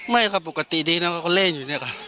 ไม่ครับปกติดีนะครับก็เล่นอยู่เนี่ยครับ